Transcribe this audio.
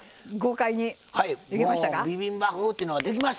もうビビンバ風というのができました。